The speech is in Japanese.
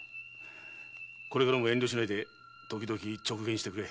これからも遠慮しないでときどき直言してくれ。